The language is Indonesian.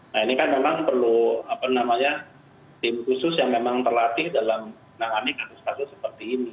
nah ini kan memang perlu tim khusus yang memang terlatih dalam menangani kasus kasus seperti ini